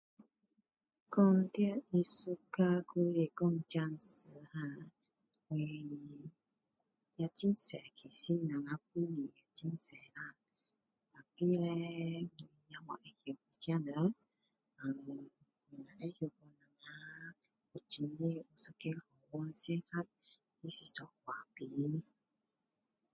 说到艺术家还是说匠石蛤也很多其实我们本地也很多啦但是呢也没有知道这些人只知道我们这里黄顺和有一间他是做花瓶的